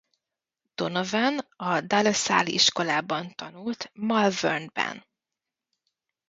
Donovan a De La Salle Iskolában tanult Malvern-ban.